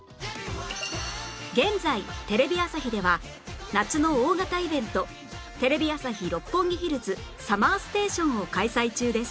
現在テレビ朝日では夏の大型イベントテレビ朝日・六本木ヒルズ ＳＵＭＭＥＲＳＴＡＴＩＯＮ を開催中です